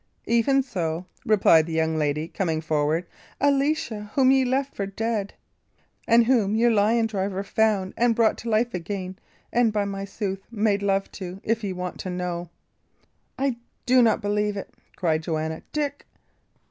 "Even so," replied the young lady, coming forward. "Alicia, whom ye left for dead, and whom your lion driver found, and brought to life again, and, by my sooth, made love to, if ye want to know!" "I'll not believe it," cried Joanna. "Dick!"